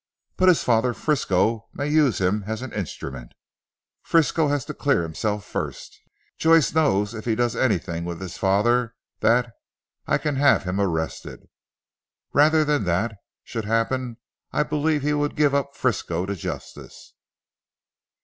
"But his father Frisco may use him as an instrument." "Frisco has to clear himself first. Joyce knows if he does anything with his father that, I can have him arrested. Rather than that should happen I believe he would give up Frisco to justice."